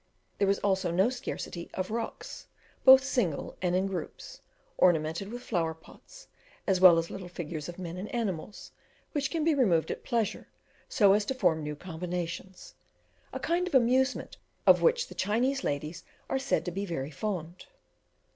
There was also no scarcity of rocks, both single and in groups, ornamented with flower pots, as well as little figures of men and animals, which can be removed at pleasure, so as to form new combinations, a kind of amusement of which the Chinese ladies are said to be very fond.